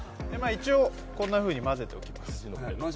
一応こんなふうに混ぜておきます。